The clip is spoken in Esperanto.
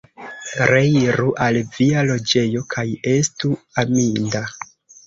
Reiru al via loĝejo, kaj estu aminda!